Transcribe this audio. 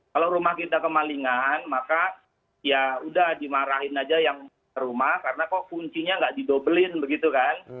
kalau rumah kita kemalingan maka ya udah dimarahin aja yang rumah karena kok kuncinya nggak didobelin begitu kan